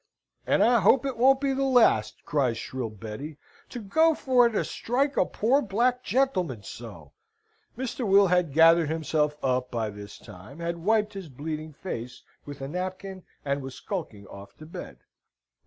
"And I hope it won't be the last," cries shrill Betty. "To go for to strike a poor black gentleman so!" Mr. Will had gathered himself up by this time, had wiped his bleeding face with a napkin, and was skulking off to bed.